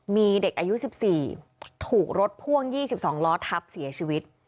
มีเด็กอายุ๑๔ถูกรถพ่วง๒๒ล้อทับเสียชีวิต